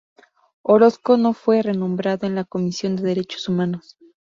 Orozco no fue renombrado en la comisión de Derechos Humanos.